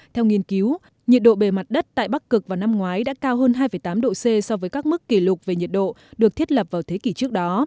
theo nghiên cứu nhiệt độ bề mặt đất tại bắc cực vào năm ngoái đã cao hơn hai tám độ c so với các mức kỷ lục về nhiệt độ được thiết lập vào thế kỷ trước đó